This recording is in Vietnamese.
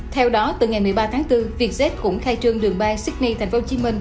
theo đó từ ngày một mươi ba tháng bốn vietjet cũng khai trương đường bay sydney tp hcm